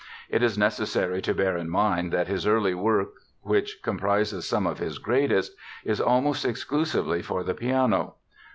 It is necessary to bear in mind that his early work, which comprises some of his greatest, is almost exclusively for the piano.